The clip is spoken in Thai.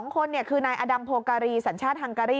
๒คนคือนายอดัมโพการีสัญชาติฮังการี